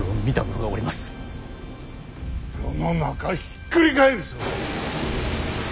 世の中ひっくり返るぞ。